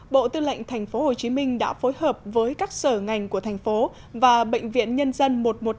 bộ tư lệnh tp hcm đã phối hợp với các sở ngành của thành phố và bệnh viện nhân dân một trăm một mươi năm